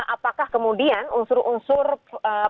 apakah kemudian unsur unsur pengendalian masa